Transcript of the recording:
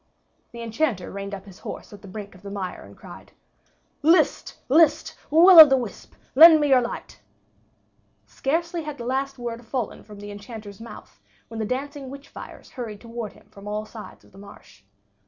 The Enchanter reined up his horse at the brink of the mire, and cried, "List! List! Will o' the Wisp, Lend me your light." Scarcely had the last word fallen from the Enchanter's mouth, when the dancing witch fires hurried toward him from all sides of the marsh.